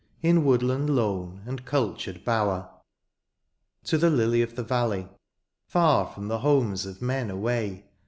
In woodland lone, and cultured bower. TO THE LILY OF THE VALLEY. Far from the homes of men away.